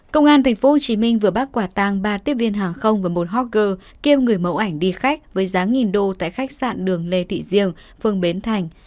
công an tp hcm vừa bác quả tàng ba tiếp viên hàng không và một hot girl kiêm người mẫu ảnh đi khách với giá nghìn đô tại khách sạn đường lê thị diêng phương bến thành